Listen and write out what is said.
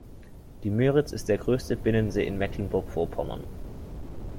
Die Müritz ist der größte Binnensee in Mecklenburg-Vorpommern.